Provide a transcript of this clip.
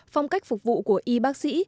phong cách phục vụ của y bác sĩ